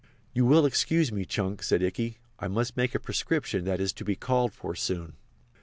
"You will excuse me, Chunk," said Ikey. "I must make a prescription that is to be called for soon."